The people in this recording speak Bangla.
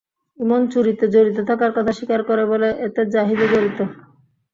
ইমন চুরিতে জড়িত থাকার কথা স্বীকার করে বলে, এতে জাহিদও জড়িত।